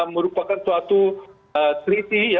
merupakan suatu treaty